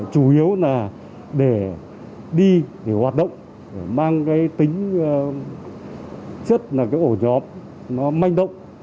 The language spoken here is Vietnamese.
chủ yếu là để đi để hoạt động để mang tính chất ổ nhóm manh động